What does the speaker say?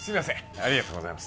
ありがとうございます